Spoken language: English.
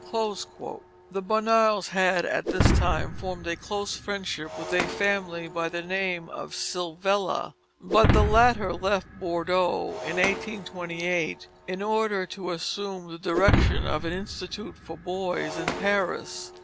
The Bonheurs had, at this time, formed a close friendship with a family by the name of Silvela, but the latter left Bordeaux in 1828 in order to assume the direction of an institute for boys in Paris.